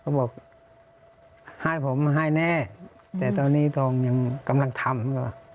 เขาบอกนายเฮี่ยผมให้แน่แต่ตอนนี้จริงกำลังทำ